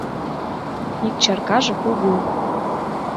Ик чаркаже кугу.